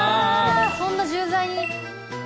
そんな重罪に。